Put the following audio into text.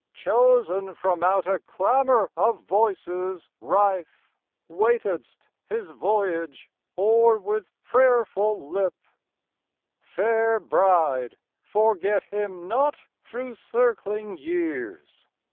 Chosen from out a clamor of voices rife Waitedst his voyage o'er with prayerful lip. Fair Bride, forget him not through circling years!